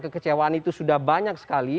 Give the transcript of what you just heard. kekecewaan itu sudah banyak sekali